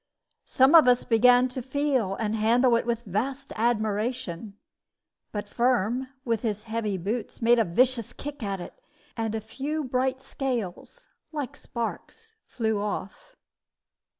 Some of us began to feel and handle it with vast admiration; but Firm, with his heavy boots, made a vicious kick at it, and a few bright scales, like sparks, flew off.